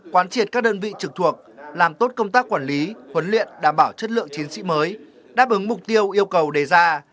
quán triệt các đơn vị trực thuộc làm tốt công tác quản lý huấn luyện đảm bảo chất lượng chiến sĩ mới đáp ứng mục tiêu yêu cầu đề ra